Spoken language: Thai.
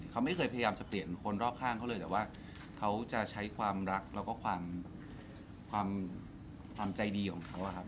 เขาไม่เคยพยายามจะเปลี่ยนคนรอบข้างเขาเลยแต่ว่าเขาจะใช้ความรักแล้วก็ความใจดีของเขาอะครับ